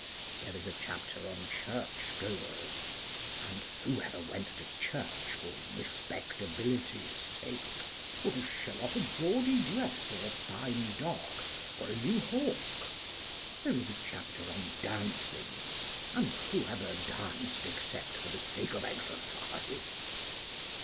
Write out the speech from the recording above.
There is a chapter on Church goers, and who ever went to church for respectability's sake, or to show off a gaudy dress, or a fine dog, or a new hawk? There is a chapter on Dancing, and who ever danced except for the sake of exercise?...